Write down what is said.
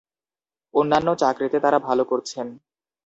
অন্যান্য চাকরিতে তাঁরা ভালো করছেন।